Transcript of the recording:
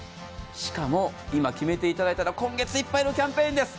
しかも、今決めていただいたら今月いっぱいのキャンペーンです。